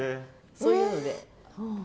そういうので。